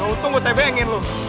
gak utuh gue tebengin lo